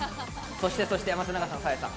そしてそして松永さんサーヤさん